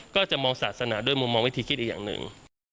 ก็จะมองศาสนาด้วยมุมมองวิธีคิดอีกอย่างหนึ่ง